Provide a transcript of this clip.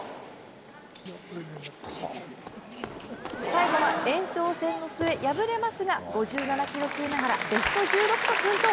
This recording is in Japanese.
最後は延長戦の末敗れますが、５７キロ級ながら、ベスト１６と奮闘。